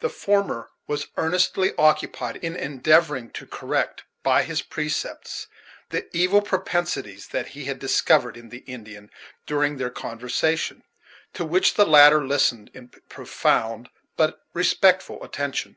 The former was earnestly occupied in endeavoring to correct, by his precepts, the evil propensities that he had discovered in the Indian during their conversation; to which the latter listened in Profound but respectful attention.